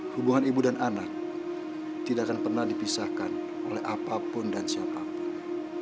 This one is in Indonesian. hubungan ibu dan anak tidak akan pernah dipisahkan oleh apapun dan siapapun